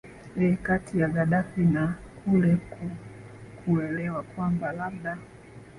ee kati ya gadaffi na kule ku kuelewa kwamba labda